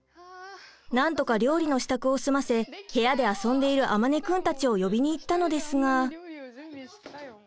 なんとか料理の支度を済ませ部屋で遊んでいる周くんたちを呼びに行ったのですが。